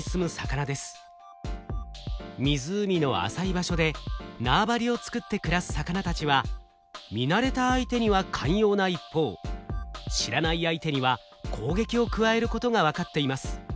湖の浅い場所で縄張りを作って暮らす魚たちは見慣れた相手には寛容な一方知らない相手には攻撃を加えることが分かっています。